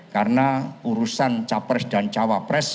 karena urusan capres dan cawapres